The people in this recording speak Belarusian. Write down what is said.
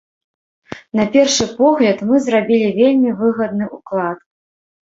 На першы погляд, мы зрабілі вельмі выгадны ўклад.